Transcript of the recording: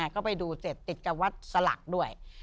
ก็ไปดูเสร็จติดกับวัดสลักด้วย